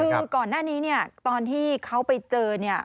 คือก่อนหน้านี้ตอนที่เขาไปเจอ